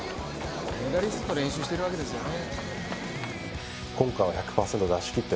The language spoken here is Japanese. メダリストと練習しているわけですよね。